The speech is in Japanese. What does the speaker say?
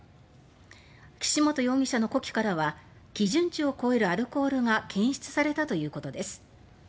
岸本容疑者の呼気からは基準値を超えるアルコールが検出されたということです。